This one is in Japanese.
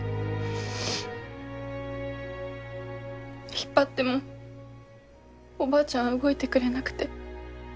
引っ張ってもおばあちゃんは動いてくれなくて。